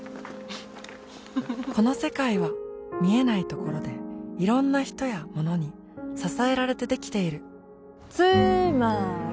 この世界は見えないところでいろんな人やものに支えられてできているつーまーり！